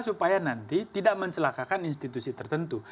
supaya nanti tidak mencelakakan institusi tertentu